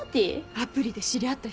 アプリで知り合った人がさ